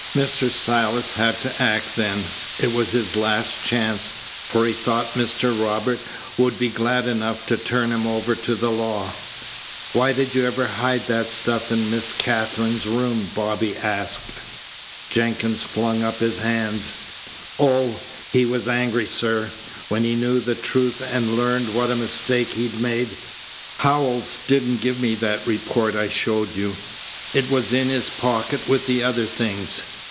Mr. Silas had to act then. It was his last chance, for he thought Mr. Robert would be glad enough to turn him over to the law." "Why did you ever hide that stuff in Miss Katherine's room?" Bobby asked. Jenkins flung up his hands. "Oh, he was angry, sir, when he knew the truth and learned what a mistake he'd made. Howells didn't give me that report I showed you. It was in his pocket with the other things.